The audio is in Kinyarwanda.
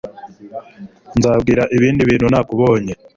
Nzabwira ibindi bintu nakubonye